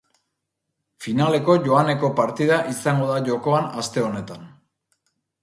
Finaleko joaneko partida izango da jokoan aste honetan.